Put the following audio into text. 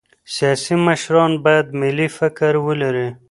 سیاسي مشران باید ملي فکر ولري